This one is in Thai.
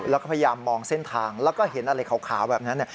แล้วก็พยายามมองเส้นทางแล้วก็เห็นอะไรขาวแบบนั้น